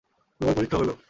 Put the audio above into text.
তোমার পরীক্ষা হল।